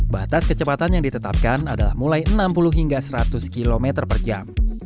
batas kecepatan yang ditetapkan adalah mulai enam puluh hingga seratus km per jam